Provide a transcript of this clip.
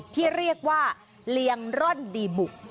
ที่เรียกว่าเลี้ยงร่อนดีบุก